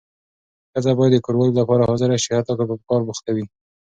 ښځه باید د کوروالې لپاره حاضره شي حتی که په کار بوخته وي.